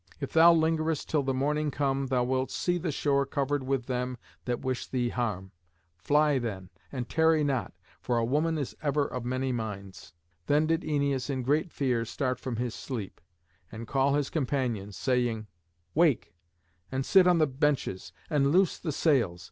If thou lingerest till the morning come thou wilt see the shore covered with them that wish thee harm. Fly, then, and tarry not; for a woman is ever of many minds." Then did Æneas in great fear start from his sleep, and call his companions, saying, "Wake, and sit on the benches, and loose the sails.